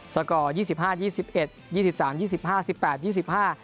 สกอร์ยี่สิบห้ายี่สิบเอ็ดยี่สิบสามยี่สิบห้าสิบแปดยี่สิบห้า